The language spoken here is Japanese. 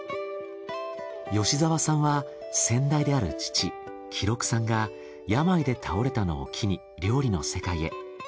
吉沢さんは先代である父喜六さんが病で倒れたのを機に料理の世界へ。